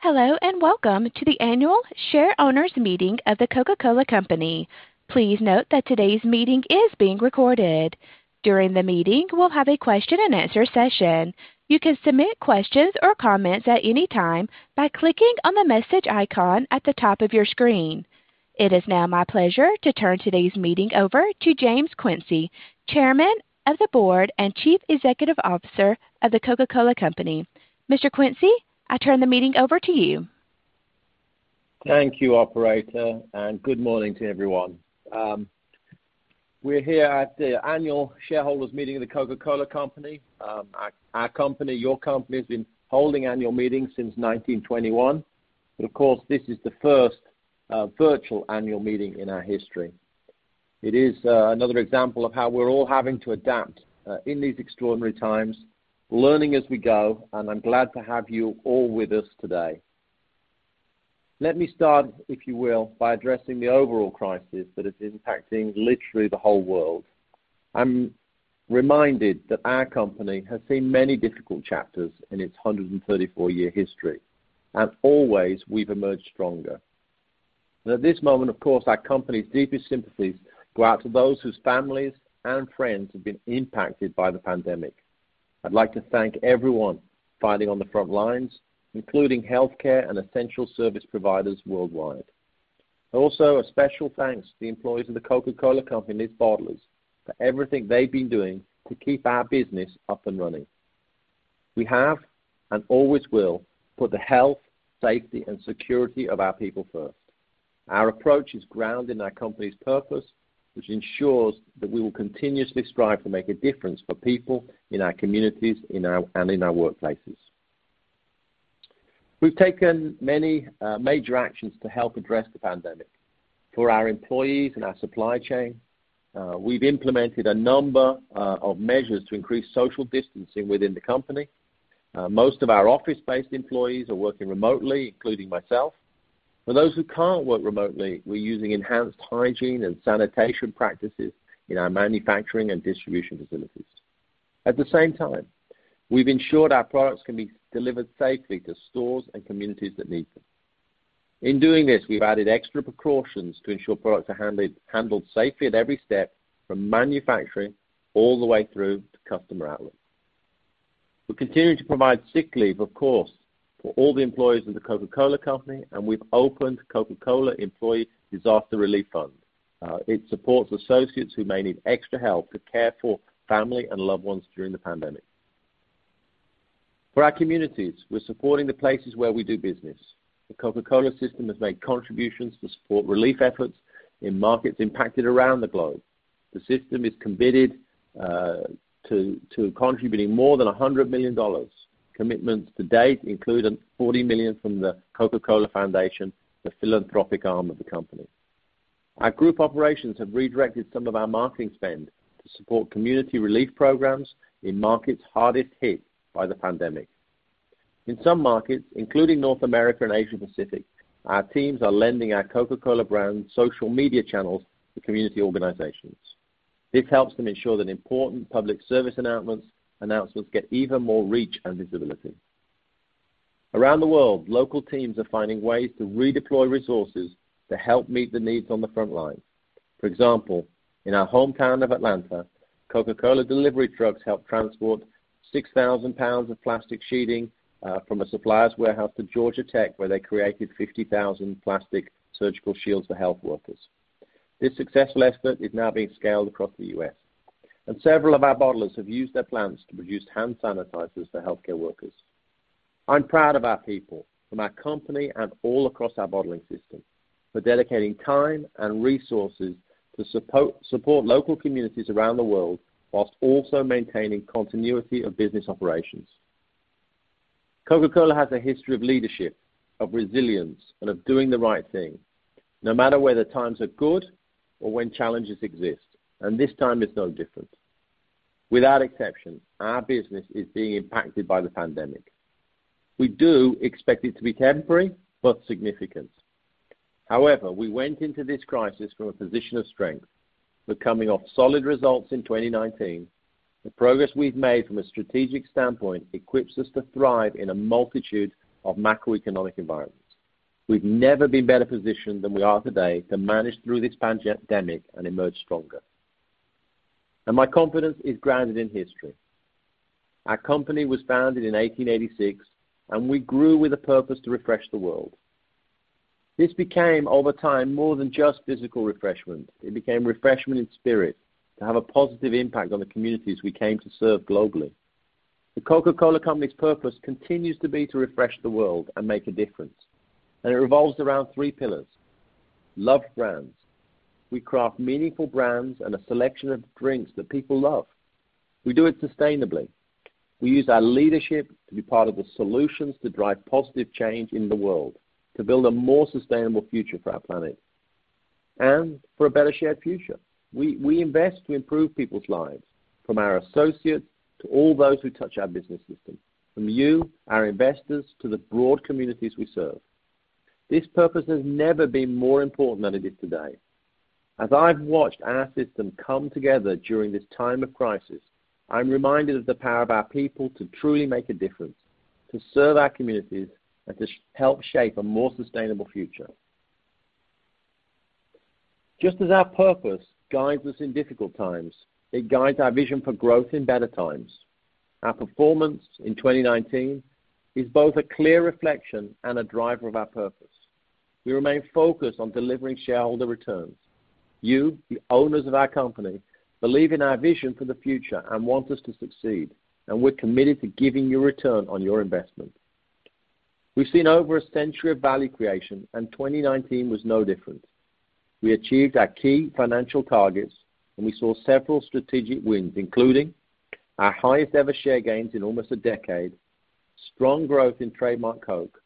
Hello, and welcome to the annual shareowners meeting of The Coca-Cola Company. Please note that today's meeting is being recorded. During the meeting, we'll have a question and answer session. You can submit questions or comments at any time by clicking on the message icon at the top of your screen. It is now my pleasure to turn today's meeting over to James Quincey, Chairman of the Board and Chief Executive Officer of The Coca-Cola Company. Mr. Quincey, I turn the meeting over to you. Thank you, operator. Good morning to everyone. We're here at the annual shareholders meeting of The Coca-Cola Company. Our company, your company, has been holding annual meetings since 1921, but of course, this is the first virtual annual meeting in our history. It is another example of how we're all having to adapt in these extraordinary times, learning as we go, and I'm glad to have you all with us today. Let me start, if you will, by addressing the overall crisis that is impacting literally the whole world. I'm reminded that our company has seen many difficult chapters in its 134-year history, and always, we've emerged stronger. At this moment, of course, our company's deepest sympathies go out to those whose families and friends have been impacted by the pandemic. I'd like to thank everyone fighting on the front lines, including healthcare and essential service providers worldwide. Also, a special thanks to the employees of The Coca-Cola Company's bottlers for everything they've been doing to keep our business up and running. We have, and always will, put the health, safety, and security of our people first. Our approach is grounded in our company's purpose, which ensures that we will continuously strive to make a difference for people in our communities and in our workplaces. We've taken many major actions to help address the pandemic. For our employees and our supply chain, we've implemented a number of measures to increase social distancing within the company. Most of our office-based employees are working remotely, including myself. For those who can't work remotely, we're using enhanced hygiene and sanitation practices in our manufacturing and distribution facilities. At the same time, we've ensured our products can be delivered safely to stores and communities that need them. In doing this, we've added extra precautions to ensure products are handled safely at every step, from manufacturing all the way through to customer outlets. We're continuing to provide sick leave, of course, for all the employees of The Coca-Cola Company, and we've opened The Coca-Cola Employee Disaster Relief Fund. It supports associates who may need extra help to care for family and loved ones during the pandemic. For our communities, we're supporting the places where we do business. The Coca-Cola system has made contributions to support relief efforts in markets impacted around the globe. The system is committed to contributing more than $100 million. Commitments to date include a $40 million from The Coca-Cola Foundation, the philanthropic arm of the company. Our group operations have redirected some of our marketing spend to support community relief programs in markets hardest hit by the pandemic. In some markets, including North America and Asia Pacific, our teams are lending our Coca-Cola brand social media channels to community organizations. This helps them ensure that important public service announcements get even more reach and visibility. Around the world, local teams are finding ways to redeploy resources to help meet the needs on the front line. For example, in our hometown of Atlanta, Coca-Cola delivery trucks helped transport 6,000 pounds of plastic sheeting from a supplier's warehouse to Georgia Tech, where they created 50,000 plastic surgical shields for health workers. This successful effort is now being scaled across the U.S., and several of our bottlers have used their plants to produce hand sanitizers for healthcare workers. I'm proud of our people, from our company and all across our bottling system, for dedicating time and resources to support local communities around the world while also maintaining continuity of business operations. Coca-Cola has a history of leadership, of resilience, and of doing the right thing, no matter whether times are good or when challenges exist. This time is no different. Without exception, our business is being impacted by the pandemic. We do expect it to be temporary but significant. However, we went into this crisis from a position of strength. We're coming off solid results in 2019. The progress we've made from a strategic standpoint equips us to thrive in a multitude of macroeconomic environments. We've never been better positioned than we are today to manage through this pandemic and emerge stronger. My confidence is grounded in history. Our company was founded in 1886, and we grew with a purpose to refresh the world. This became, over time, more than just physical refreshment. It became refreshment in spirit, to have a positive impact on the communities we came to serve globally. The Coca-Cola Company's purpose continues to be to refresh the world and make a difference. It revolves around three pillars. Loved brands. We craft meaningful brands and a selection of drinks that people love. We do it sustainably. We use our leadership to be part of the solutions to drive positive change in the world, to build a more sustainable future for our planet. For a better shared future. We invest to improve people's lives, from our associates to all those who touch our business system, from you, our investors, to the broad communities we serve. This purpose has never been more important than it is today. As I've watched our system come together during this time of crisis, I'm reminded of the power of our people to truly make a difference, to serve our communities, and to help shape a more sustainable future. Just as our purpose guides us in difficult times, it guides our vision for growth in better times. Our performance in 2019 is both a clear reflection and a driver of our purpose. We remain focused on delivering shareholder returns. You, the owners of our company, believe in our vision for the future and want us to succeed, and we're committed to giving you a return on your investment. We've seen over a century of value creation, and 2019 was no different. We achieved our key financial targets, and we saw several strategic wins, including our highest-ever share gains in almost a decade, strong growth in Trademark Coke,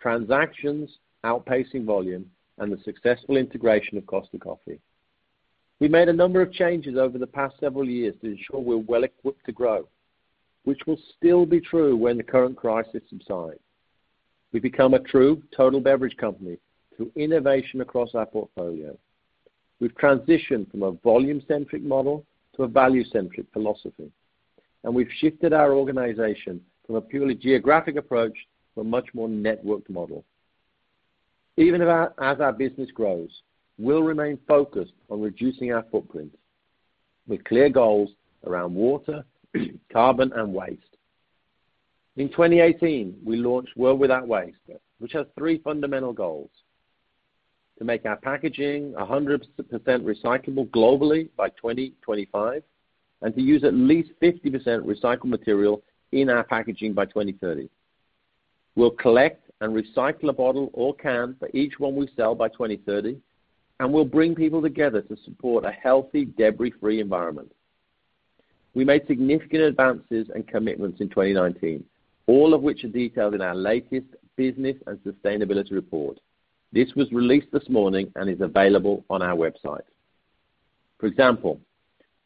transactions outpacing volume, and the successful integration of Costa Coffee. We made a number of changes over the past several years to ensure we're well-equipped to grow, which will still be true when the current crisis subsides. We've become a true total beverage company through innovation across our portfolio. We've transitioned from a volume-centric model to a value-centric philosophy, and we've shifted our organization from a purely geographic approach to a much more networked model. Even as our business grows, we'll remain focused on reducing our footprint with clear goals around water, carbon, and waste. In 2018, we launched World Without Waste, which has three fundamental goals, to make our packaging 100% recyclable globally by 2025 and to use at least 50% recycled material in our packaging by 2030. We'll collect and recycle a bottle or can for each one we sell by 2030, we'll bring people together to support a healthy, debris-free environment. We made significant advances and commitments in 2019, all of which are detailed in our latest business and sustainability report. This was released this morning and is available on our website. For example,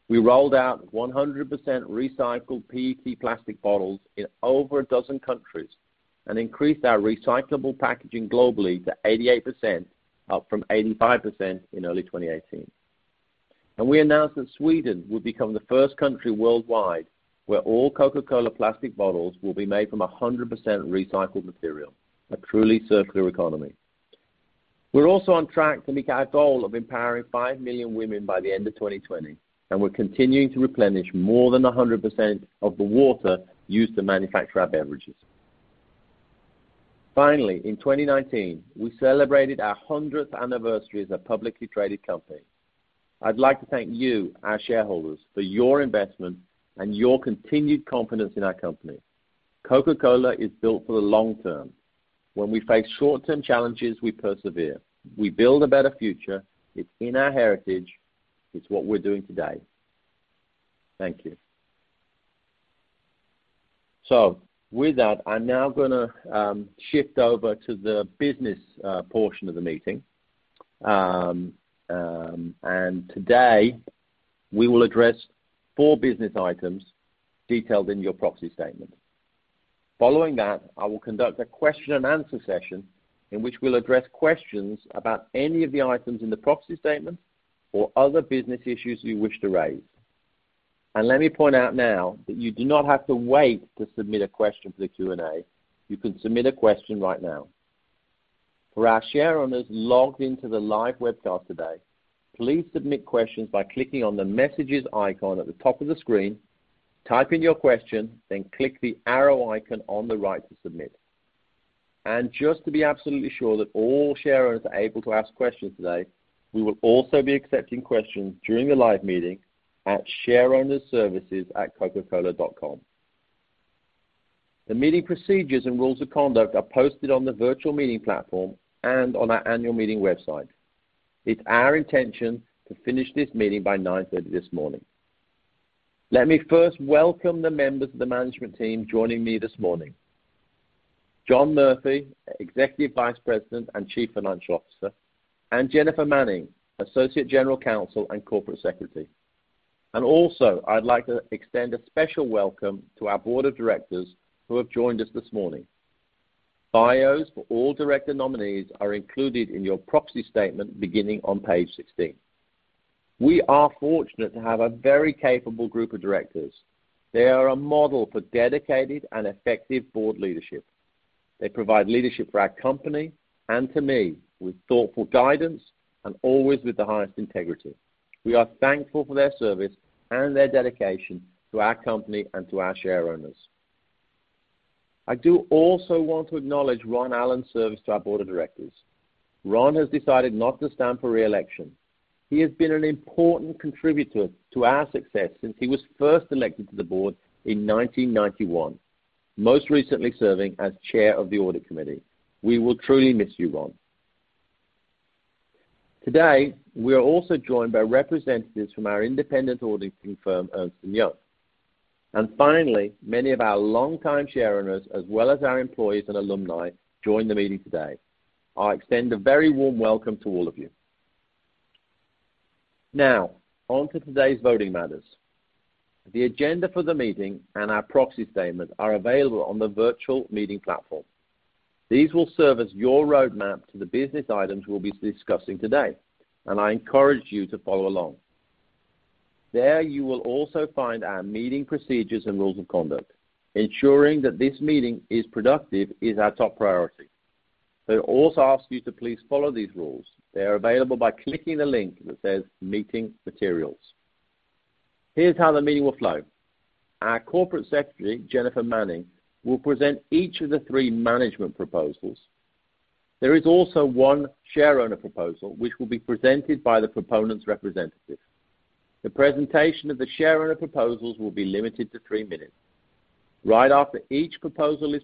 we rolled out 100% recycled PET plastic bottles in over a dozen countries and increased our recyclable packaging globally to 88%, up from 85% in early 2018. We announced that Sweden would become the first country worldwide where all Coca-Cola plastic bottles will be made from 100% recycled material, a truly circular economy. We're also on track to meet our goal of empowering 5 million women by the end of 2020, and we're continuing to replenish more than 100% of the water used to manufacture our beverages. Finally, in 2019, we celebrated our 100th anniversary as a publicly traded company. I'd like to thank you, our shareholders, for your investment and your continued confidence in our company. Coca-Cola is built for the long term. When we face short-term challenges, we persevere. We build a better future. It's in our heritage. It's what we're doing today. Thank you. With that, I'm now going to shift over to the business portion of the meeting. Today, we will address four business items detailed in your proxy statement. Following that, I will conduct a question and answer session in which we'll address questions about any of the items in the proxy statement or other business issues you wish to raise. Let me point out now that you do not have to wait to submit a question for the Q&A. You can submit a question right now. For our share owners logged into the live webcast today, please submit questions by clicking on the Messages icon at the top of the screen. Type in your question, click the arrow icon on the right to submit. Just to be absolutely sure that all share owners are able to ask questions today, we will also be accepting questions during the live meeting at shareownersservices@coca-cola.com. The meeting procedures and rules of conduct are posted on the virtual meeting platform and on our annual meeting website. It's our intention to finish this meeting by 9:30 this morning. Let me first welcome the members of the management team joining me this morning. John Murphy, Executive Vice President and Chief Financial Officer, and Jennifer Manning, Associate General Counsel and Corporate Secretary. I'd like to extend a special welcome to our Board of Directors who have joined us this morning. Bios for all director nominees are included in your proxy statement beginning on page 16. We are fortunate to have a very capable group of directors. They are a model for dedicated and effective board leadership. They provide leadership for our company and to me with thoughtful guidance and always with the highest integrity. We are thankful for their service and their dedication to our company and to our share owners. I do also want to acknowledge Ron Allen's service to our Board of Directors. Ron has decided not to stand for re-election. He has been an important contributor to our success since he was first elected to the board in 1991, most recently serving as chair of the audit committee. We will truly miss you, Ron. Today, we are also joined by representatives from our independent auditing firm, Ernst & Young. Finally, many of our longtime share owners, as well as our employees and alumni, join the meeting today. I extend a very warm welcome to all of you. Now, on to today's voting matters. The agenda for the meeting and our proxy statement are available on the virtual meeting platform. These will serve as your roadmap to the business items we'll be discussing today, and I encourage you to follow along. There you will also find our meeting procedures and rules of conduct. Ensuring that this meeting is productive is our top priority. We also ask you to please follow these rules. They are available by clicking the link that says Meeting Materials. Here's how the meeting will flow. Our corporate secretary, Jennifer Manning, will present each of the three management proposals. There is also one share owner proposal, which will be presented by the proponent's representative. The presentation of the share owner proposals will be limited to three minutes. Right after each proposal is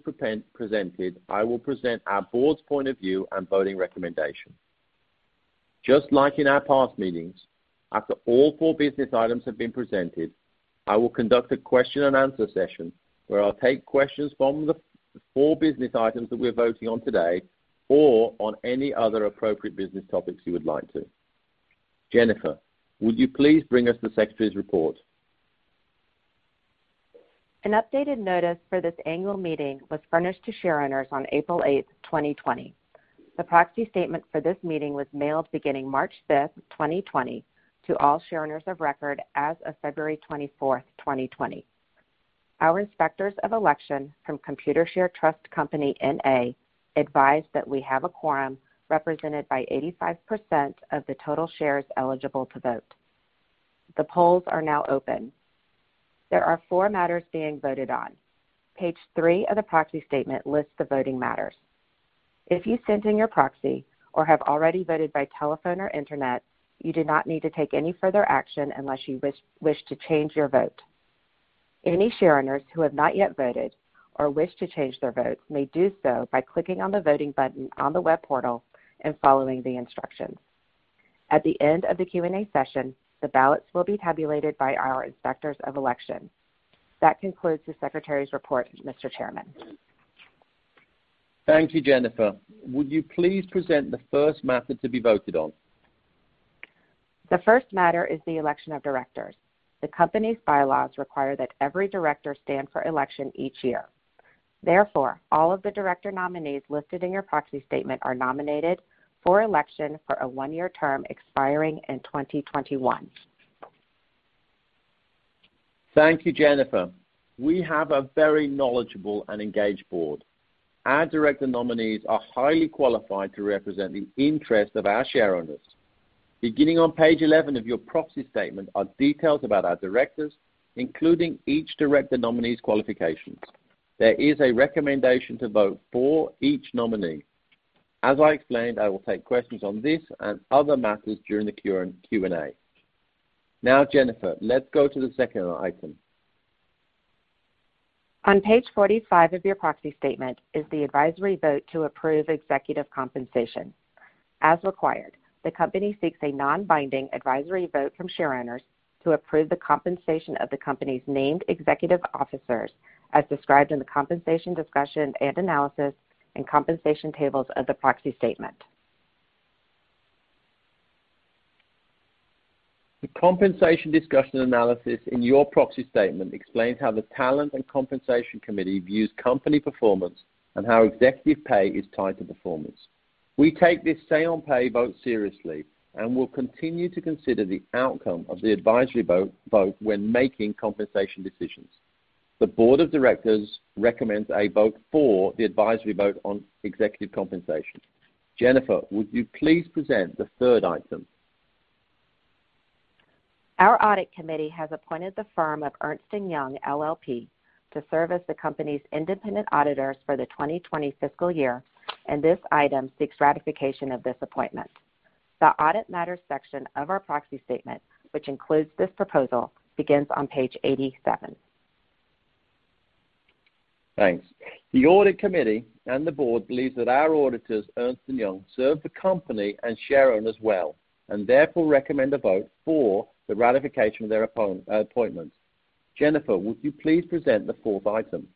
presented, I will present our board's point of view and voting recommendation. Just like in our past meetings, after all four business items have been presented, I will conduct a question and answer session where I'll take questions from the four business items that we're voting on today or on any other appropriate business topics you would like to. Jennifer, would you please bring us the secretary's report? An updated notice for this annual meeting was furnished to share owners on April 8th, 2020. The proxy statement for this meeting was mailed beginning March 5th, 2020 to all share owners of record as of February 24th, 2020. Our inspectors of election from Computershare Trust Company, N.A. advise that we have a quorum represented by 85% of the total shares eligible to vote. The polls are now open. There are four matters being voted on. Page 3 of the proxy statement lists the voting matters. If you sent in your proxy or have already voted by telephone or internet, you do not need to take any further action unless you wish to change your vote. Any share owners who have not yet voted or wish to change their votes may do so by clicking on the voting button on the web portal and following the instructions. At the end of the Q&A session, the ballots will be tabulated by our inspectors of election. That concludes the Secretary's report, Mr. Chairman. Thank you, Jennifer. Would you please present the first matter to be voted on? The first matter is the election of directors. The company's bylaws require that every director stand for election each year. Therefore, all of the director nominees listed in your proxy statement are nominated for election for a one-year term expiring in 2021. Thank you, Jennifer. We have a very knowledgeable and engaged board. Our director nominees are highly qualified to represent the interests of our share owners. Beginning on page 11 of your proxy statement are details about our directors, including each director nominee's qualifications. There is a recommendation to vote for each nominee. As I explained, I will take questions on this and other matters during the Q&A. Now, Jennifer, let's go to the second item. On page 45 of your proxy statement is the advisory vote to approve executive compensation. As required, the company seeks a non-binding advisory vote from share owners to approve the compensation of the company's named executive officers, as described in the compensation discussion and analysis and compensation tables of the proxy statement. The compensation discussion analysis in your proxy statement explains how the Talent and Compensation Committee views company performance and how executive pay is tied to performance. We take this say on pay vote seriously and will continue to consider the outcome of the advisory vote when making compensation decisions. The Board of Directors recommends a vote for the advisory vote on executive compensation. Jennifer, would you please present the third item? Our audit committee has appointed the firm of Ernst & Young LLP to serve as the company's independent auditors for the 2020 fiscal year, and this item seeks ratification of this appointment. The audit matters section of our proxy statement, which includes this proposal, begins on page 87. Thanks. The audit committee and the board believe that our auditors, Ernst & Young, serve the company and share owners well, and therefore recommend a vote for the ratification of their appointment. Jennifer, would you please present the fourth item?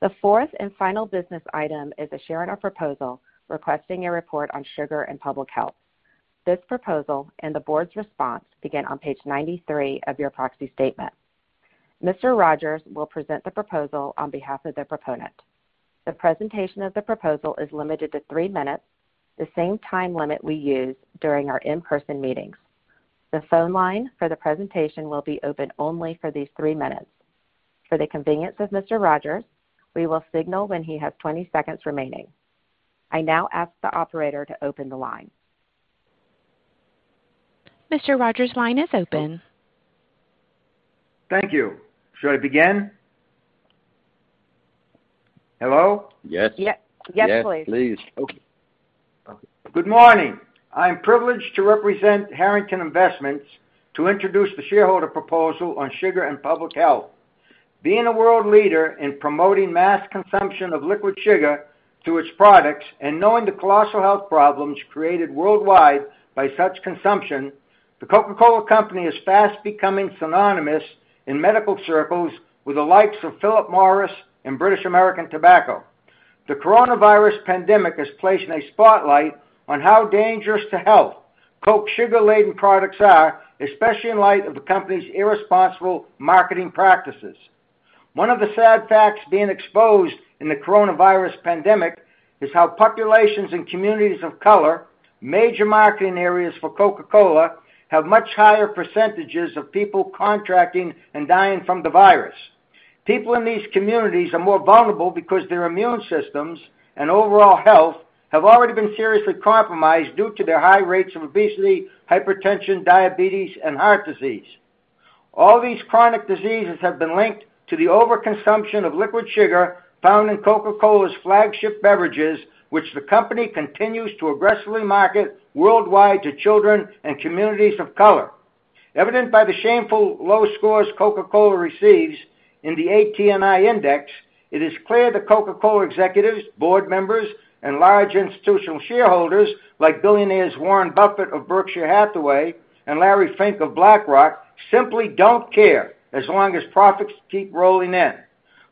The fourth and final business item is a share owner proposal requesting a report on sugar and public health. This proposal and the board's response begin on page 93 of your proxy statement. Ray Rogers will present the proposal on behalf of the proponent. The presentation of the proposal is limited to three minutes, the same time limit we use during our in-person meetings. The phone line for the presentation will be open only for these three minutes. For the convenience of Ray Rogers, we will signal when he has 20 seconds remaining. I now ask the operator to open the line. Ray Rogers' line is open. Thank you. Should I begin? Hello? Yes. Yes. Yes, please. Yes, please. Okay. Good morning. I am privileged to represent Harrington Investments to introduce the shareholder proposal on sugar and public health. Being a world leader in promoting mass consumption of liquid sugar through its products and knowing the colossal health problems created worldwide by such consumption, The Coca-Cola Company is fast becoming synonymous in medical circles with the likes of Philip Morris and British American Tobacco. The coronavirus pandemic has placed a spotlight on how dangerous to health Coke's sugar-laden products are, especially in light of the company's irresponsible marketing practices. One of the sad facts being exposed in the coronavirus pandemic is how populations in communities of color, major marketing areas for Coca-Cola, have much higher percentages of people contracting and dying from the virus. People in these communities are more vulnerable because their immune systems and overall health have already been seriously compromised due to their high rates of obesity, hypertension, diabetes, and heart disease. All these chronic diseases have been linked to the overconsumption of liquid sugar found in Coca-Cola's flagship beverages, which the company continues to aggressively market worldwide to children and communities of color. Evident by the shameful low scores Coca-Cola receives in the ATNI index, it is clear The Coca-Cola Company executives, board members, and large institutional shareholders, like billionaires Warren Buffett of Berkshire Hathaway and Larry Fink of BlackRock, simply don't care as long as profits keep rolling in.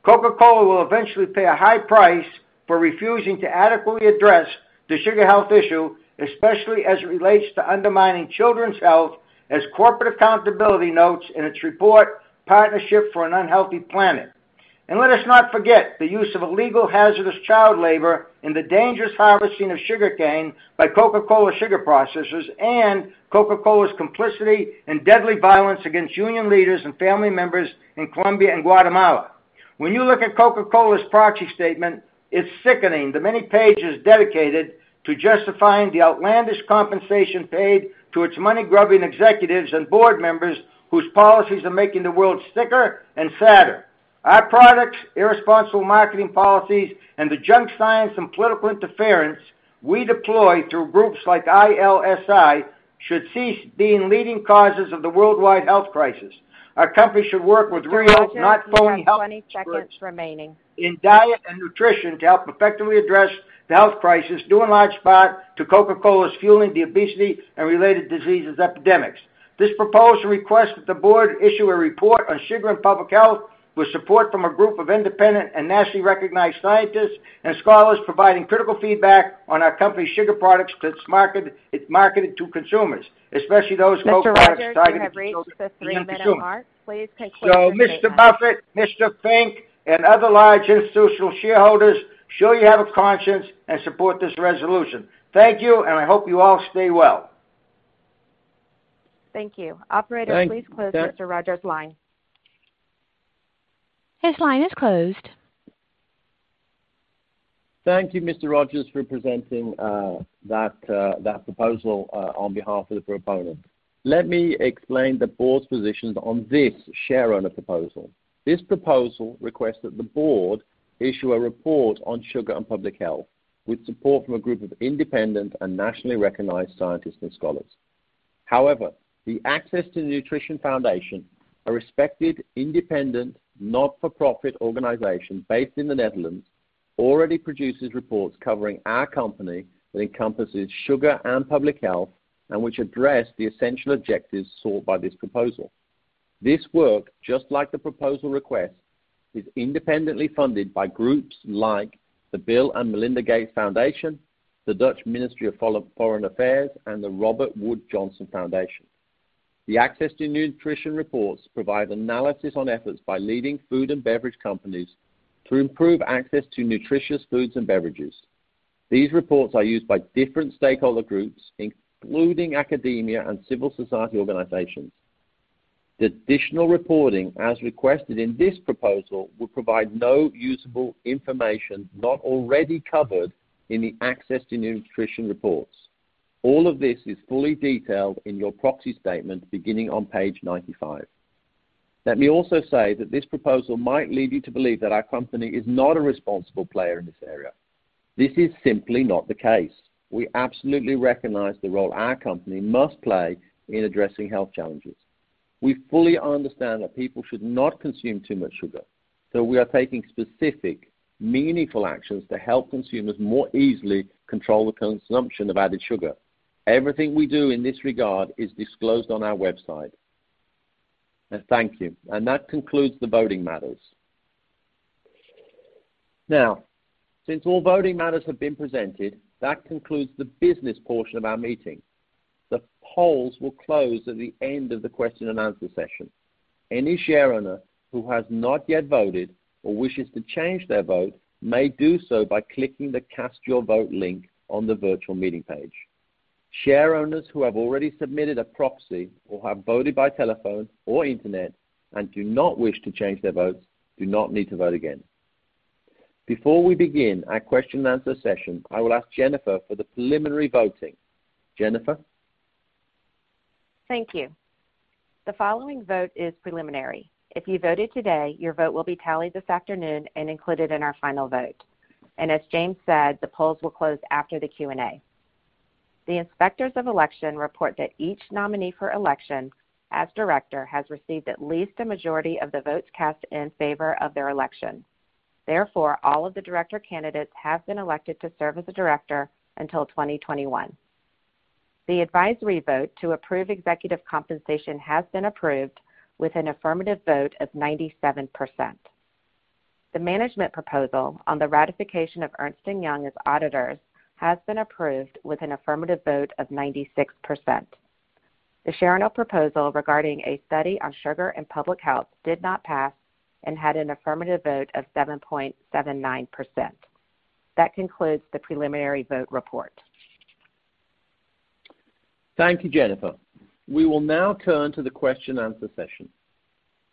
Coca-Cola will eventually pay a high price for refusing to adequately address the sugar health issue, especially as it relates to undermining children's health, as corporate accountability notes in its report, "Partnership for an Unhealthy Planet." Let us not forget the use of illegal, hazardous child labor in the dangerous harvesting of sugarcane by Coca-Cola sugar processors, and Coca-Cola's complicity in deadly violence against union leaders and family members in Colombia and Guatemala. When you look at Coca-Cola's proxy statement, it's sickening, the many pages dedicated to justifying the outlandish compensation paid to its money-grubbing executives and board members whose policies are making the world sicker and fatter. Our products, irresponsible marketing policies, and the junk science and political interference we deploy through groups like ILSI should cease being leading causes of the worldwide health crisis. Our company should work with real- Ray Rogers, you have 20 seconds remaining. in diet and nutrition to help effectively address the health crisis, due in large part to Coca-Cola's fueling the obesity and related diseases epidemics. This proposal requests that the board issue a report on sugar and public health with support from a group of independent and nationally recognized scientists and scholars providing critical feedback on our company's sugar products that's marketed to consumers, especially those Coke products targeted to children and youth consumers. Ray Rogers, you have reached the three-minute mark. Please conclude your statement. Mr. Buffett, Mr. Fink, and other large institutional shareholders, show you have a conscience and support this resolution. Thank you, and I hope you all stay well. Thank you. Thank you. Operator, please close Ray Rogers' line. His line is closed. Thank you, Mr. Rogers, for presenting that proposal on behalf of the proponent. Let me explain the board's positions on this shareholder proposal. This proposal requests that the board issue a report on sugar and public health with support from a group of independent and nationally recognized scientists and scholars. The Access to Nutrition Foundation, a respected, independent, not-for-profit organization based in the Netherlands, already produces reports covering our company that encompasses sugar and public health and which address the essential objectives sought by this proposal. This work, just like the proposal request, is independently funded by groups like the Bill & Melinda Gates Foundation, the Dutch Ministry of Foreign Affairs, and the Robert Wood Johnson Foundation. The Access to Nutrition reports provide analysis on efforts by leading food and beverage companies to improve access to nutritious foods and beverages. These reports are used by different stakeholder groups, including academia and civil society organizations. The additional reporting, as requested in this proposal, would provide no usable information not already covered in the Access to Nutrition reports. All of this is fully detailed in your proxy statement beginning on page 95. Let me also say that this proposal might lead you to believe that our company is not a responsible player in this area. This is simply not the case. We absolutely recognize the role our company must play in addressing health challenges. We fully understand that people should not consume too much sugar, we are taking specific, meaningful actions to help consumers more easily control the consumption of added sugar. Everything we do in this regard is disclosed on our website. Thank you. That concludes the voting matters. Since all voting matters have been presented, that concludes the business portion of our meeting. The polls will close at the end of the question and answer session. Any shareholder who has not yet voted or wishes to change their vote may do so by clicking the Cast Your Vote link on the virtual meeting page. Shareowners who have already submitted a proxy or have voted by telephone or internet and do not wish to change their votes do not need to vote again. Before we begin our question and answer session, I will ask Jennifer for the preliminary voting. Jennifer? Thank you. The following vote is preliminary. If you voted today, your vote will be tallied this afternoon and included in our final vote. As James said, the polls will close after the Q&A. The Inspectors of Election report that each nominee for election as director has received at least a majority of the votes cast in favor of their election. Therefore, all of the director candidates have been elected to serve as a director until 2021. The advisory vote to approve executive compensation has been approved with an affirmative vote of 97%. The management proposal on the ratification of Ernst & Young as auditors has been approved with an affirmative vote of 96%. The shareowner proposal regarding a study on sugar and public health did not pass and had an affirmative vote of 7.79%. That concludes the preliminary vote report. Thank you, Jennifer. We will now turn to the question answer session.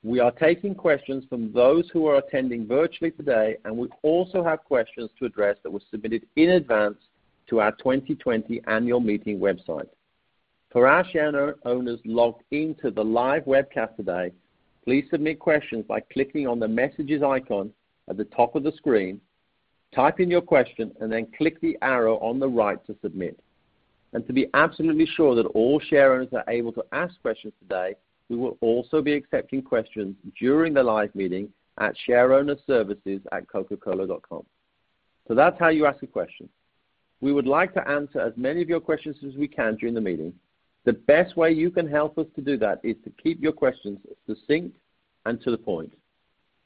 We are taking questions from those who are attending virtually today, and we also have questions to address that were submitted in advance to our 2020 annual meeting website. For our shareowners logged in to the live webcast today, please submit questions by clicking on the messages icon at the top of the screen, type in your question, and then click the arrow on the right to submit. To be absolutely sure that all shareowners are able to ask questions today, we will also be accepting questions during the live meeting at shareownerservices@coca-cola.com. That's how you ask a question. We would like to answer as many of your questions as we can during the meeting. The best way you can help us to do that is to keep your questions succinct and to the point.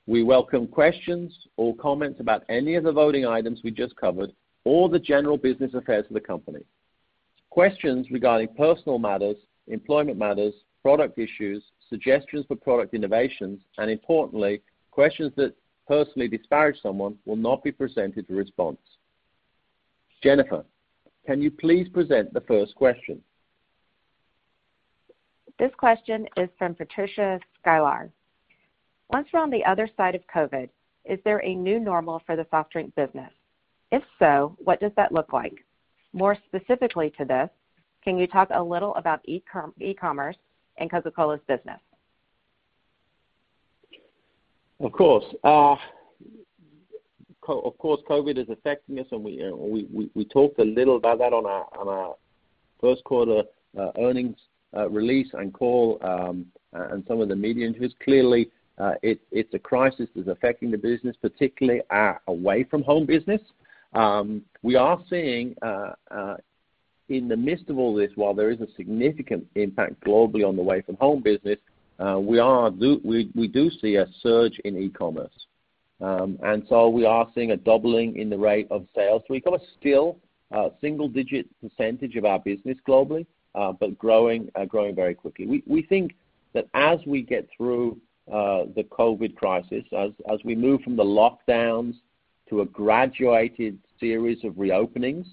We welcome questions or comments about any of the voting items we just covered or the general business affairs of the company. Questions regarding personal matters, employment matters, product issues, suggestions for product innovations, and importantly, questions that personally disparage someone will not be presented for response. Jennifer, can you please present the first question? This question is from Patricia Skylar. "Once we're on the other side of COVID, is there a new normal for the soft drink business? If so, what does that look like? More specifically to this, can you talk a little about e-commerce in Coca-Cola's business? Of course. Of course, COVID is affecting us, and we talked a little about that on our first quarter earnings release and call, and some of the media interviews. Clearly, it's a crisis that's affecting the business, particularly our away-from-home business. We are seeing in the midst of all this, while there is a significant impact globally on the away-from-home business, we do see a surge in e-commerce. We are seeing a doubling in the rate of sales. We've got a still single-digit percentage of our business globally, but growing very quickly. We think that as we get through the COVID crisis, as we move from the lockdowns to a graduated series of reopenings,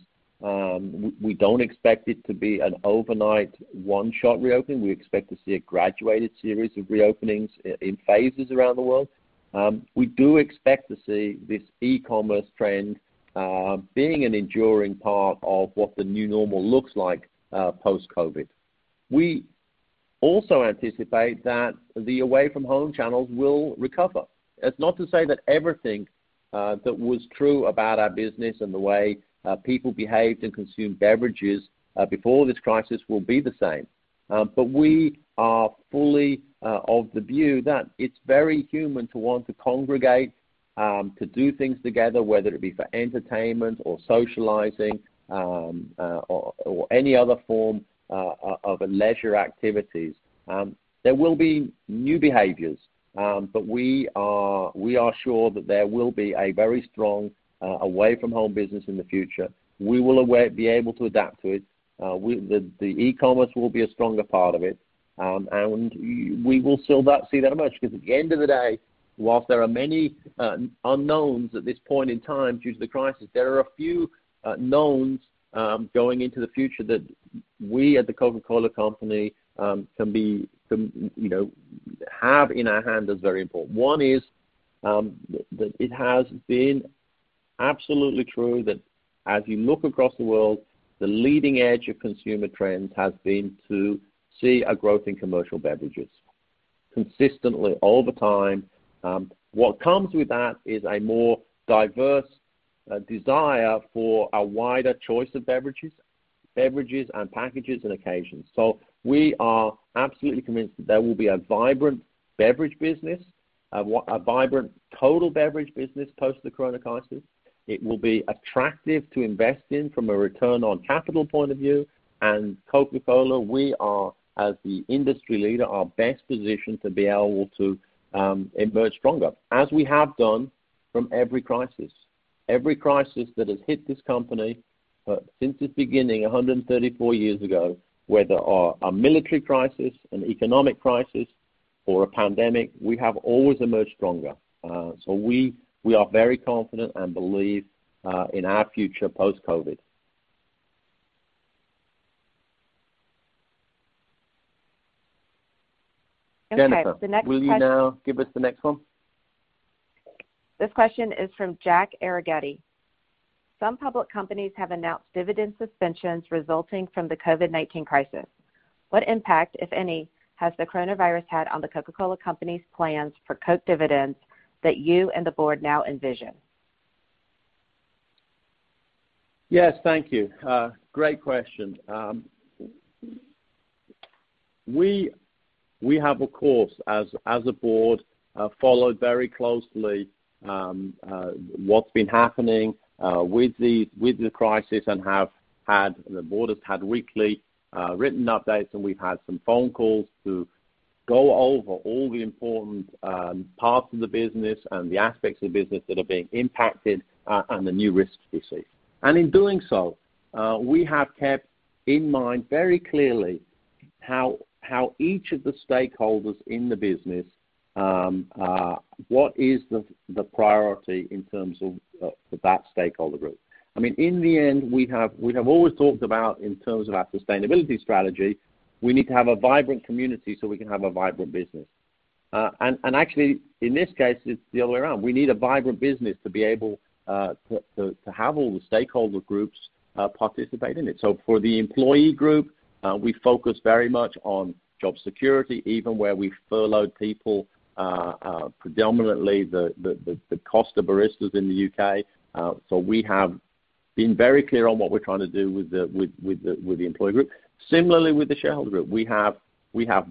we don't expect it to be an overnight one-shot reopen. We expect to see a graduated series of reopenings in phases around the world. We do expect to see this e-commerce trend being an enduring part of what the new normal looks like post-COVID. We also anticipate that the away-from-home channels will recover. It's not to say that everything that was true about our business and the way people behaved and consumed beverages before this crisis will be the same. We are fully of the view that it's very human to want to congregate, to do things together, whether it be for entertainment or socializing, or any other form of leisure activities. There will be new behaviors, but we are sure that there will be a very strong away-from-home business in the future. We will be able to adapt to it. The e-commerce will be a stronger part of it, and we will see that emerge, because at the end of the day, whilst there are many unknowns at this point in time due to the crisis, there are a few knowns going into the future that we at The Coca-Cola Company have in our hands as very important. One is that it has been absolutely true that as you look across the world, the leading edge of consumer trends has been to see a growth in commercial beverages consistently over time. What comes with that is a more diverse desire for a wider choice of beverages, and packages, and occasions. We are absolutely convinced that there will be a vibrant beverage business, a vibrant total beverage business post the Corona crisis. It will be attractive to invest in from a return on capital point of view. Coca-Cola, we are, as the industry leader, are best positioned to be able to emerge stronger, as we have done from every crisis. Every crisis that has hit this company since its beginning 134 years ago, whether a military crisis, an economic crisis, or a pandemic, we have always emerged stronger. We are very confident and believe in our future post-COVID. Okay. The next question. Jennifer, will you now give us the next one? This question is from Jack Arrigotti. "Some public companies have announced dividend suspensions resulting from the COVID-19 crisis. What impact, if any, has the coronavirus had on The Coca-Cola Company's plans for Coke dividends that you and the board now envision? Yes. Thank you. Great question. We have, of course, as a board, followed very closely what's been happening with the crisis and the board has had weekly written updates, and we've had some phone calls to go over all the important parts of the business and the aspects of the business that are being impacted and the new risks we see. In doing so, we have kept in mind very clearly how each of the stakeholders in the business, what is the priority in terms of that stakeholder group. In the end, we have always talked about in terms of our sustainability strategy, we need to have a vibrant community so we can have a vibrant business. Actually in this case, it's the other way around. We need a vibrant business to be able to have all the stakeholder groups participate in it. For the employee group, we focus very much on job security, even where we furloughed people predominantly the Costa baristas in the U.K. With the shareholder group, we have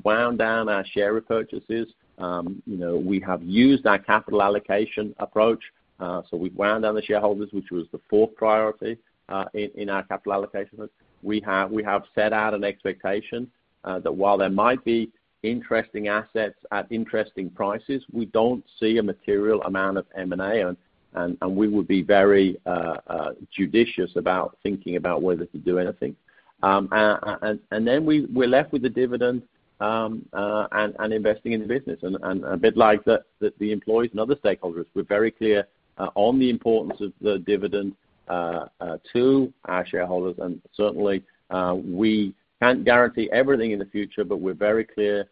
wound down our share repurchases. We have used our capital allocation approach. We've wound down the shareholders, which was the fourth priority in our capital allocation. We have set out an expectation that while there might be interesting assets at interesting prices, we don't see a material amount of M&A, and we would be very judicious about thinking about whether to do anything. We're left with the dividend and investing in the business and a bit like the employees and other stakeholders, we're very clear on the importance of the dividend to our shareholders. Certainly, we can't guarantee everything in the future, but we're very clear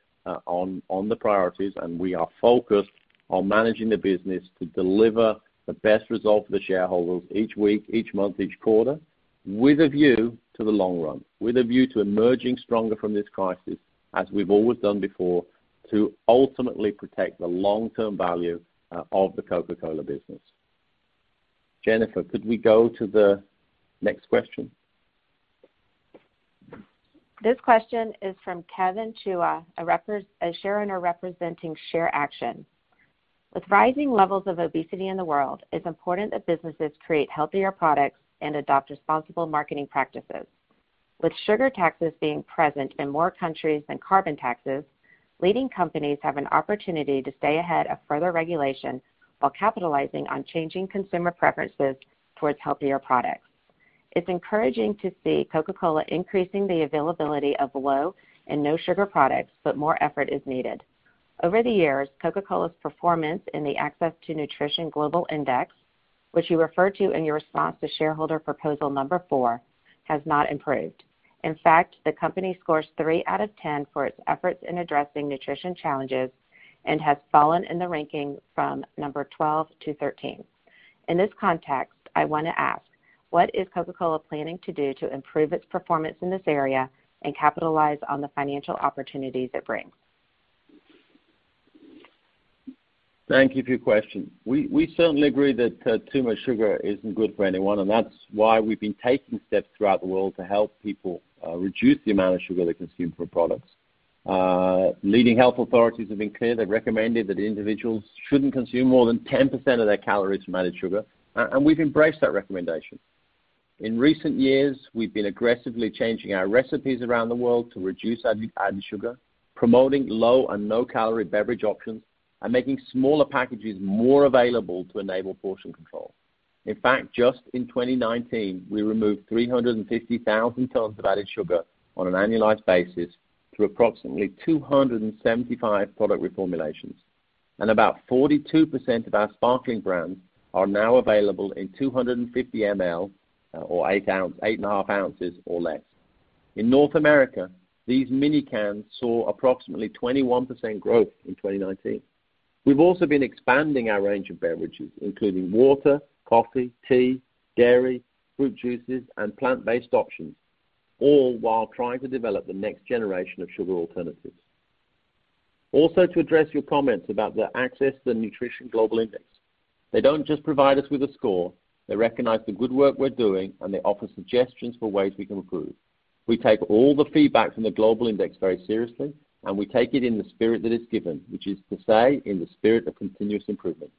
on the priorities and we are focused on managing the business to deliver the best result for the shareholders each week, each month, each quarter, with a view to the long run, with a view to emerging stronger from this crisis, as we've always done before, to ultimately protect the long-term value of the Coca-Cola business. Jennifer, could we go to the next question? This question is from Kevin Chuah, a shareholder representing ShareAction. With rising levels of obesity in the world, it's important that businesses create healthier products and adopt responsible marketing practices. With sugar taxes being present in more countries than carbon taxes, leading companies have an opportunity to stay ahead of further regulation while capitalizing on changing consumer preferences towards healthier products. It's encouraging to see Coca-Cola increasing the availability of low and no-sugar products, but more effort is needed. Over the years, Coca-Cola's performance in the Global Access to Nutrition Index, which you refer to in your response to shareholder proposal number 4, has not improved. In fact, the company scores three out of 10 for its efforts in addressing nutrition challenges and has fallen in the ranking from number 12 to 13. In this context, I want to ask, what is Coca-Cola planning to do to improve its performance in this area and capitalize on the financial opportunities it brings? Thank you for your question. We certainly agree that too much sugar isn't good for anyone, and that's why we've been taking steps throughout the world to help people reduce the amount of sugar they consume from products. Leading health authorities have been clear. They've recommended that individuals shouldn't consume more than 10% of their calories from added sugar, and we've embraced that recommendation. In recent years, we've been aggressively changing our recipes around the world to reduce added sugar, promoting low and no-calorie beverage options, and making smaller packages more available to enable portion control. In fact, just in 2019, we removed 350,000 tons of added sugar on an annualized basis through approximately 275 product reformulations. About 42% of our sparkling brands are now available in 250 ml or eight and a half ounces or less. In North America, these mini cans saw approximately 21% growth in 2019. We've also been expanding our range of beverages, including water, coffee, tea, dairy, fruit juices, and plant-based options, all while trying to develop the next generation of sugar alternatives. To address your comments about the Global Access to Nutrition Index. They don't just provide us with a score. They recognize the good work we're doing, and they offer suggestions for ways we can improve. We take all the feedback from the Global Index very seriously, and we take it in the spirit that it's given, which is to say, in the spirit of continuous improvement.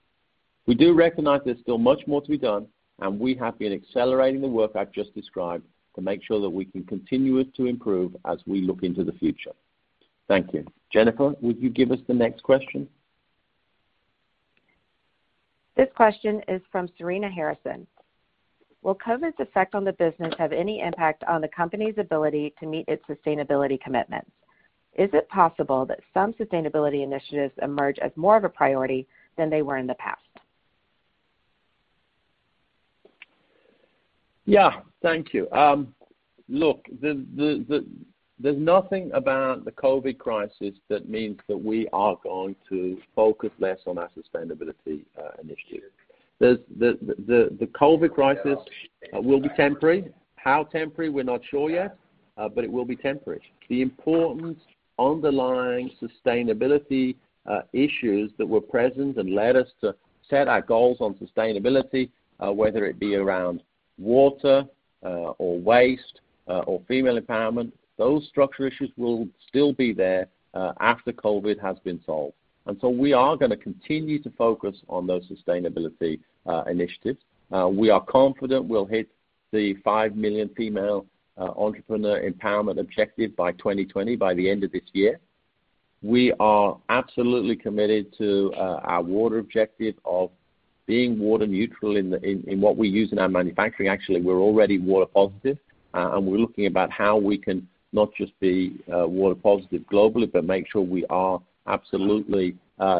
We do recognize there's still much more to be done, and we have been accelerating the work I've just described to make sure that we can continue to improve as we look into the future. Thank you. Jennifer, would you give us the next question? This question is from Serena Harrison. Will COVID's effect on the business have any impact on the company's ability to meet its sustainability commitments? Is it possible that some sustainability initiatives emerge as more of a priority than they were in the past? Yeah. Thank you. Look, there's nothing about the COVID crisis that means that we are going to focus less on our sustainability initiatives. The COVID crisis will be temporary. How temporary, we're not sure yet. It will be temporary. The important underlying sustainability issues that were present and led us to set our goals on sustainability, whether it be around water or waste or female empowerment, those structural issues will still be there after COVID has been solved. We are going to continue to focus on those sustainability initiatives. We are confident we'll hit the 5 million female entrepreneur empowerment objective by 2020, by the end of this year. We are absolutely committed to our water objective of being water neutral in what we use in our manufacturing. Actually, we're already water positive, and we're looking about how we can not just be water positive globally, but make sure we are absolutely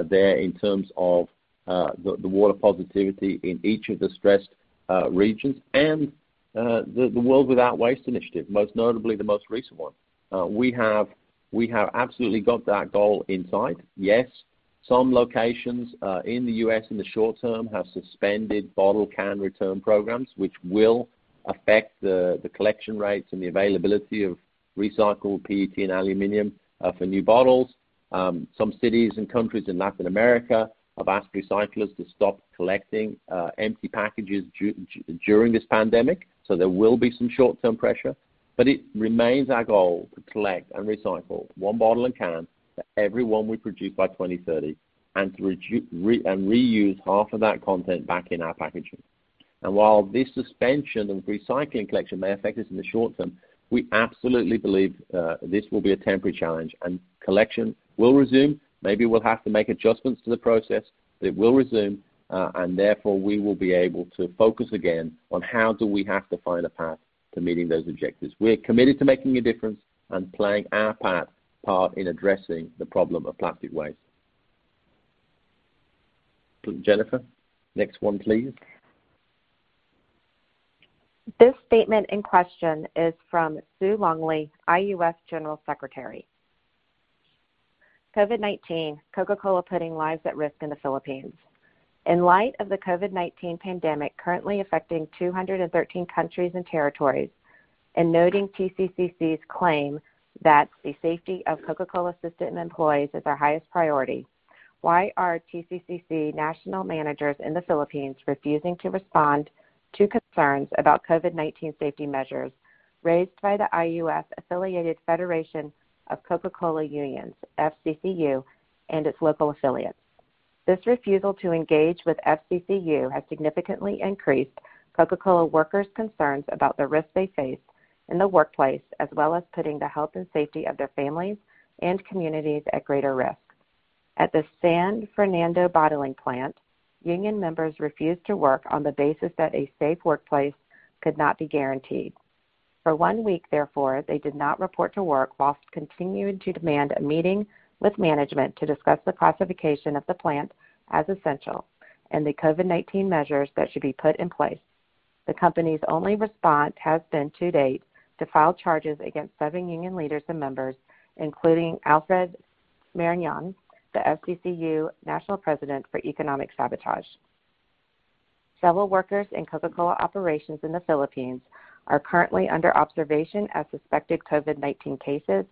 there in terms of the water positivity in each of the stressed regions. The World Without Waste initiative, most notably the most recent one. We have absolutely got that goal in sight. Yes, some locations in the U.S. in the short term have suspended bottle can return programs, which will affect the collection rates and the availability of recycled PET and aluminum for new bottles. Some cities and countries in Latin America have asked recyclers to stop collecting empty packages during this pandemic. There will be some short-term pressure. It remains our goal to collect and recycle one bottle and can for every one we produce by 2030 and reuse half of that content back in our packaging. While this suspension of recycling collection may affect us in the short term, we absolutely believe this will be a temporary challenge and collection will resume. Maybe we'll have to make adjustments to the process. It will resume, and therefore, we will be able to focus again on how do we have to find a path to meeting those objectives. We're committed to making a difference and playing our part in addressing the problem of plastic waste. Jennifer, next one, please. This statement in question is from Sue Longley, IUF general secretary. "COVID-19, Coca-Cola putting lives at risk in the Philippines. In light of the COVID-19 pandemic currently affecting 213 countries and territories, and noting TCCC's claim that the safety of Coca-Cola system employees is our highest priority, why are TCCC national managers in the Philippines refusing to respond to concerns about COVID-19 safety measures raised by the IUF-affiliated Federation of Coca-Cola Unions, FCCU, and its local affiliates? This refusal to engage with FCCU has significantly increased Coca-Cola workers' concerns about the risks they face in the workplace, as well as putting the health and safety of their families and communities at greater risk. At the San Fernando bottling plant, union members refused to work on the basis that a safe workplace could not be guaranteed. For one week, therefore, they did not report to work while continuing to demand a meeting with management to discuss the classification of the plant as essential and the COVID-19 measures that should be put in place. The company's only response has been to date to file charges against seven union leaders and members, including Alfredo Maranan, the FCCU national president, for economic sabotage. Several workers in Coca-Cola operations in the Philippines are currently under observation as suspected COVID-19 cases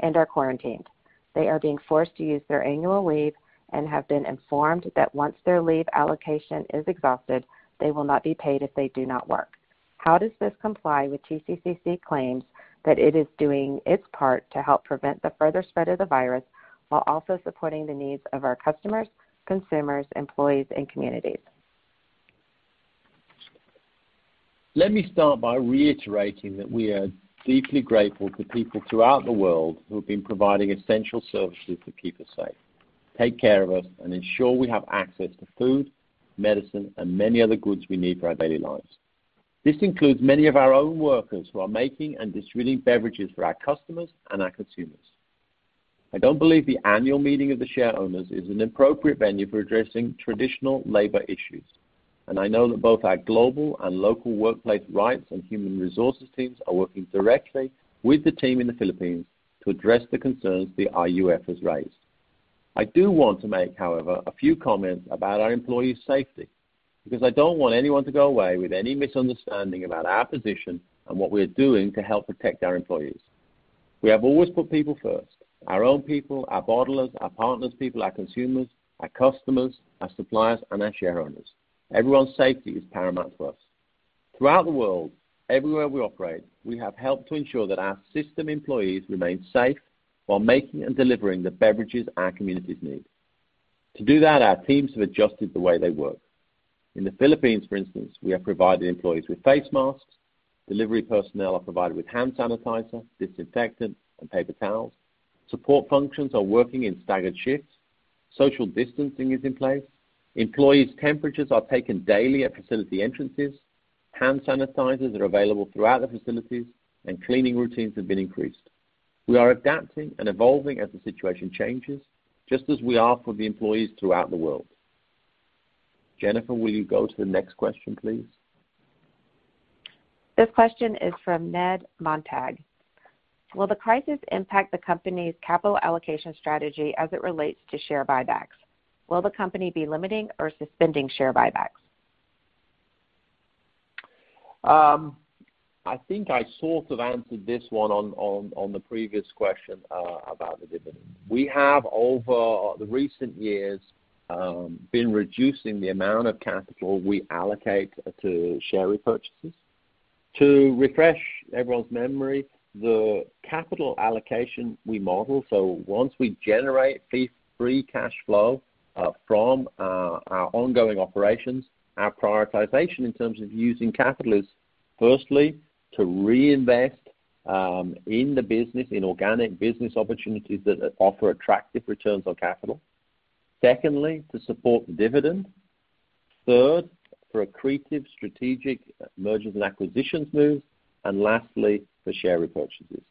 and are quarantined. They are being forced to use their annual leave and have been informed that once their leave allocation is exhausted, they will not be paid if they do not work. How does this comply with TCCC claims that it is doing its part to help prevent the further spread of the virus while also supporting the needs of our customers, consumers, employees, and communities? Let me start by reiterating that we are deeply grateful to people throughout the world who have been providing essential services to keep us safe, take care of us, and ensure we have access to food, medicine, and many other goods we need for our daily lives. This includes many of our own workers who are making and distributing beverages for our customers and our consumers. I don't believe the annual meeting of the shareowners is an appropriate venue for addressing traditional labor issues, and I know that both our global and local workplace rights and human resources teams are working directly with the team in the Philippines to address the concerns the IUF has raised. I do want to make, however, a few comments about our employees' safety because I don't want anyone to go away with any misunderstanding about our position and what we are doing to help protect our employees. We have always put people first, our own people, our bottlers, our partners' people, our consumers, our customers, our suppliers, and our shareowners. Everyone's safety is paramount to us. Throughout the world, everywhere we operate, we have helped to ensure that our system employees remain safe while making and delivering the beverages our communities need. To do that, our teams have adjusted the way they work. In the Philippines, for instance, we have provided employees with face masks. Delivery personnel are provided with hand sanitizer, disinfectant, and paper towels. Support functions are working in staggered shifts. Social distancing is in place. Employees' temperatures are taken daily at facility entrances. Hand sanitizers are available throughout the facilities, and cleaning routines have been increased. We are adapting and evolving as the situation changes, just as we are for the employees throughout the world. Jennifer, will you go to the next question, please? This question is from Ned Montag. "Will the crisis impact the company's capital allocation strategy as it relates to share buybacks? Will the company be limiting or suspending share buybacks? I think I sort of answered this one on the previous question about the dividend. We have, over the recent years, been reducing the amount of capital we allocate to share repurchases. To refresh everyone's memory, the capital allocation we model, so once we generate free cash flow from our ongoing operations, our prioritization in terms of using capital is firstly, to reinvest in the business, in organic business opportunities that offer attractive returns on capital. Secondly, to support the dividend. Third, for accretive strategic mergers and acquisitions move. Lastly, for share repurchases.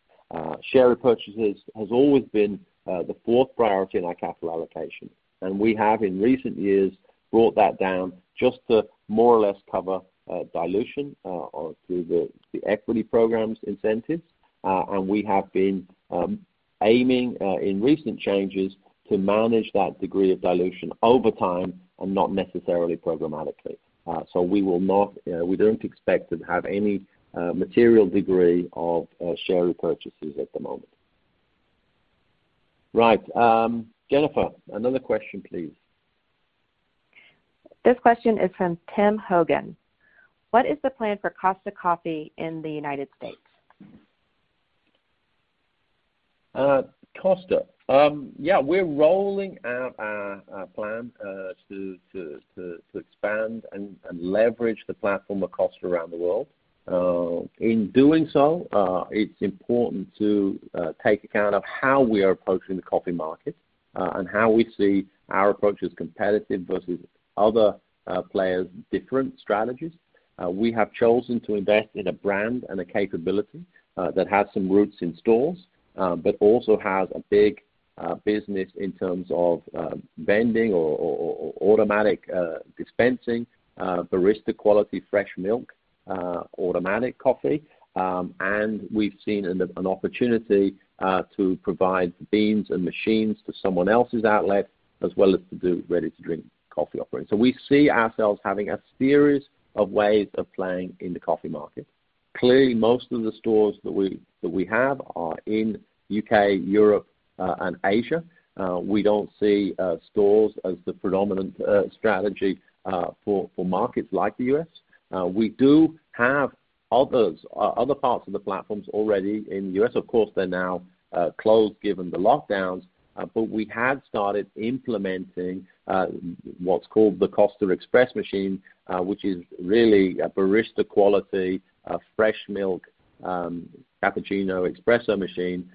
Share repurchases has always been the fourth priority in our capital allocation, and we have, in recent years, brought that down just to more or less cover dilution through the equity programs incentives. We have been aiming, in recent changes, to manage that degree of dilution over time and not necessarily programmatically. We don't expect to have any material degree of share repurchases at the moment. Right. Jennifer, another question, please. This question is from Tim Hogan. "What is the plan for Costa Coffee in the United States? Costa. Yeah. We're rolling out our plan to expand and leverage the platform of Costa around the world. In doing so, it's important to take account of how we are approaching the coffee market and how we see our approach as competitive versus other players' different strategies. We have chosen to invest in a brand and a capability that has some roots in stores but also has a big business in terms of vending or automatic dispensing, barista-quality fresh milk, automatic coffee. We've seen an opportunity to provide beans and machines to someone else's outlet, as well as to do ready-to-drink coffee offerings. We see ourselves having a series of ways of playing in the coffee market. Clearly, most of the stores that we have are in U.K., Europe, and Asia. We don't see stores as the predominant strategy for markets like the U.S. We do have other parts of the platforms already in the U.S. Of course, they're now closed given the lockdowns, but we have started implementing what's called the Costa Express machine, which is really a barista-quality, fresh milk, cappuccino espresso machine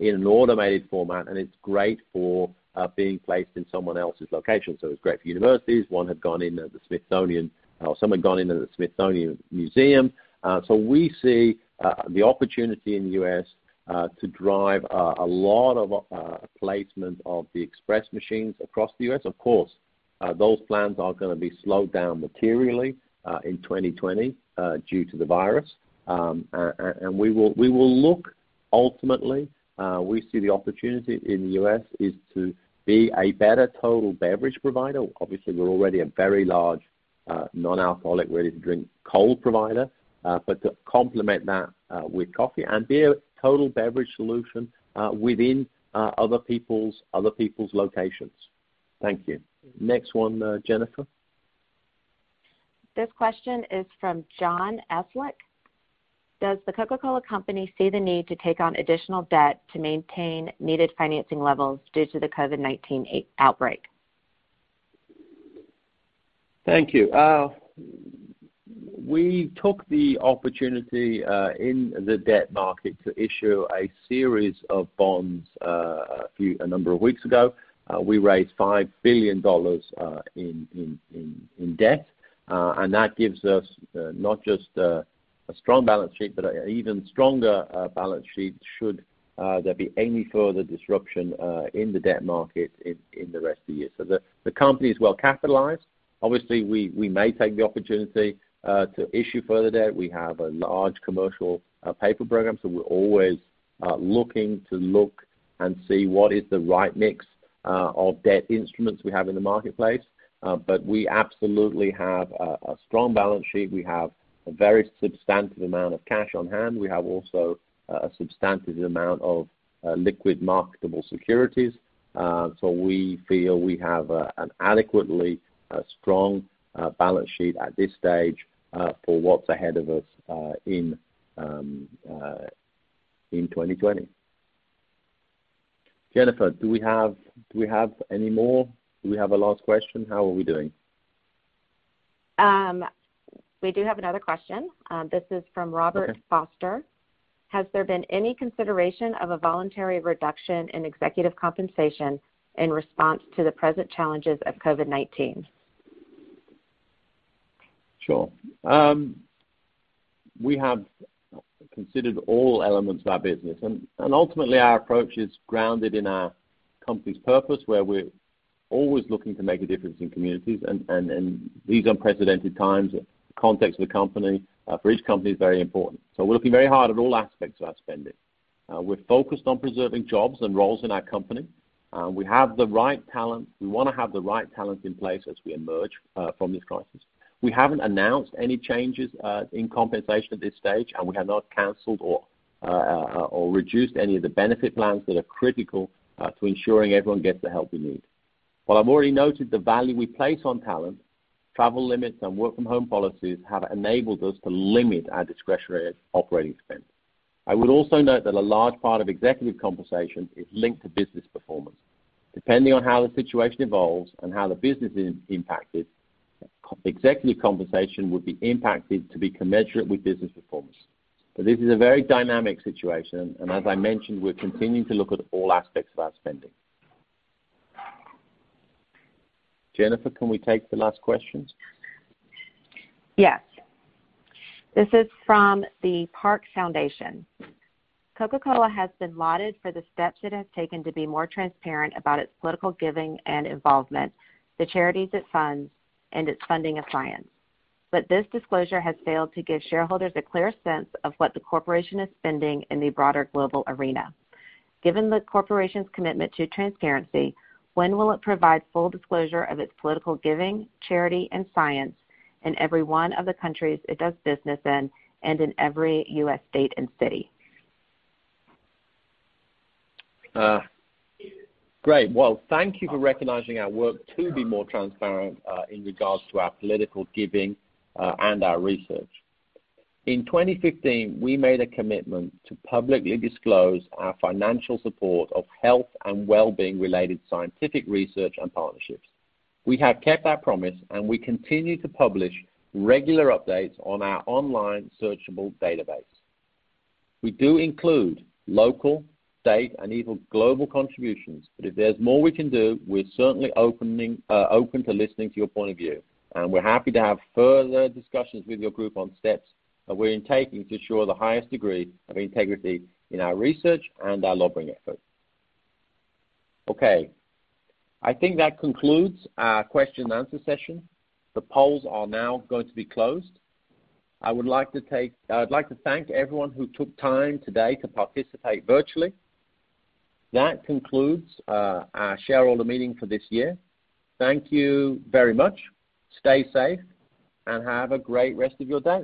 in an automated format, and it's great for being placed in someone else's location. It's great for universities. Some have gone into the Smithsonian Museum. We see the opportunity in the U.S. to drive a lot of placement of the Express machines across the U.S. Of course, those plans are going to be slowed down materially in 2020 due to the virus. Ultimately, we see the opportunity in the U.S. is to be a better total beverage provider. Obviously, we're already a very large non-alcoholic ready-to-drink cold provider. To complement that with coffee and be a total beverage solution within other people's locations. Thank you. Next one, Jennifer. This question is from John Eslick. "Does The Coca-Cola Company see the need to take on additional debt to maintain needed financing levels due to the COVID-19 outbreak? Thank you. We took the opportunity in the debt market to issue a series of bonds a number of weeks ago. We raised $5 billion in debt. That gives us not just a strong balance sheet, but an even stronger balance sheet should there be any further disruption in the debt market in the rest of the year. The company is well capitalized. Obviously, we may take the opportunity to issue further debt. We have a large commercial paper program, we're always looking to look and see what is the right mix of debt instruments we have in the marketplace. We absolutely have a strong balance sheet. We have a very substantive amount of cash on hand. We have also a substantive amount of liquid marketable securities. We feel we have an adequately strong balance sheet at this stage for what's ahead of us in 2020. Jennifer, do we have any more? Do we have a last question? How are we doing? We do have another question. This is from- Okay Has there been any consideration of a voluntary reduction in executive compensation in response to the present challenges of COVID-19? Sure. We have considered all elements of our business, and ultimately our approach is grounded in our company's purpose, where we're always looking to make a difference in communities and these unprecedented times, the context of the company for each company is very important. We're looking very hard at all aspects of our spending. We're focused on preserving jobs and roles in our company. We want to have the right talent in place as we emerge from this crisis. We haven't announced any changes in compensation at this stage, and we have not canceled or reduced any of the benefit plans that are critical to ensuring everyone gets the help they need. While I've already noted the value we place on talent, travel limits and work-from-home policies have enabled us to limit our discretionary operating expense. I would also note that a large part of executive compensation is linked to business performance. Depending on how the situation evolves and how the business is impacted, executive compensation would be impacted to be commensurate with business performance. This is a very dynamic situation, and as I mentioned, we're continuing to look at all aspects of our spending. Jennifer, can we take the last questions? Yes. This is from the Park Foundation. "Coca-Cola has been lauded for the steps it has taken to be more transparent about its political giving and involvement, the charities it funds, and its funding of science. This disclosure has failed to give shareholders a clear sense of what the corporation is spending in the broader global arena. Given the corporation's commitment to transparency, when will it provide full disclosure of its political giving, charity, and science in every one of the countries it does business in and in every U.S. state and city? Great. Well, thank you for recognizing our work to be more transparent in regards to our political giving and our research. In 2015, we made a commitment to publicly disclose our financial support of health and well-being-related scientific research and partnerships. We have kept that promise, and we continue to publish regular updates on our online searchable database. We do include local, state, and even global contributions. If there's more we can do, we're certainly open to listening to your point of view, and we're happy to have further discussions with your group on steps that we're taking to ensure the highest degree of integrity in our research and our lobbying efforts. Okay. I think that concludes our question and answer session. The polls are now going to be closed. I'd like to thank everyone who took time today to participate virtually. That concludes our shareholder meeting for this year. Thank you very much. Stay safe, and have a great rest of your day.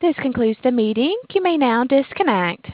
This concludes the meeting. You may now disconnect.